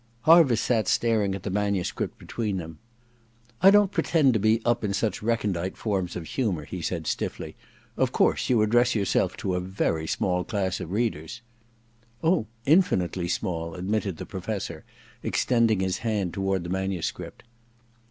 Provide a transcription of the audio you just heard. Harviss sat staring at the manuscript between them. * I don't pretend to be up in such recon dite forms of humour,' he said, still stiffly. * Of course you address yourself to a very small class of readers.' * Oh, infinitely small,' admitted the Professor, extending his hand toward the manuscript.